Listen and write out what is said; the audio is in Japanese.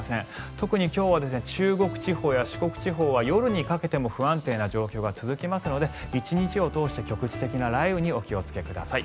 特に今日は中国地方や四国地方は夜にかけても不安定な状況が続きますので１日を通して局地的な雷雨にお気をつけください。